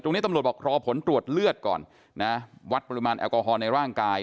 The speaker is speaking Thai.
ตำรวจบอกรอผลตรวจเลือดก่อนนะวัดปริมาณแอลกอฮอลในร่างกาย